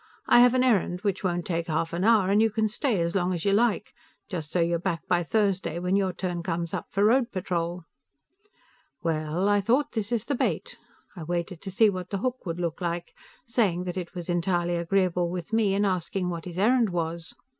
I have an errand, which won't take half an hour, and you can stay as long as you like, just so you're back by Thursday, when your turn comes up for road patrol." Well, I thought, this is the bait. I waited to see what the hook would look like, saying that it was entirely agreeable with me, and asking what his errand was.